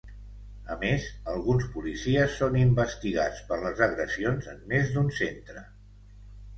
A més, alguns policies són investigats per les agressions en més d’un centre.